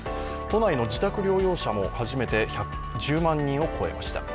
都内の自宅療養者も初めて１０万人を超えました。